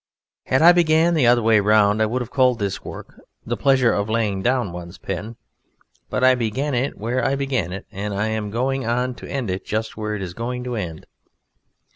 Had I begun the other way round, I would have called this Work, "The Pleasure of laying down one's Pen." But I began it where I began it, and I am going on to end it just where it is going to end.